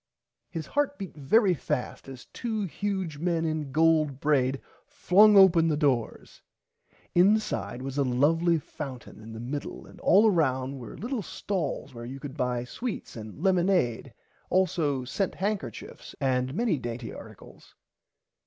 His heart beat very fast as two huge men in gold braid flung open the doors. Inside was a lovely fountain in the middle and all round were little stalls where you could buy sweets and lemonade also scent handkerchiefs and many dainty articles.